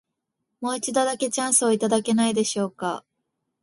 もう一度だけ、チャンスをいただけないでしょうか。